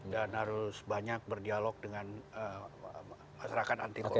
dan harus banyak berdialog dengan masyarakat anti korupsi